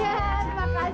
jangan kenal sama dia